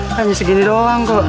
hanya segini doang kok